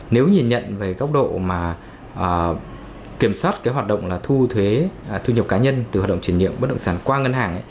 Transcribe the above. nếu nhìn nhận về góc độ kiểm soát hoạt động thu nhập cá nhân từ hoạt động chuyển nhượng bất động sản qua ngân hàng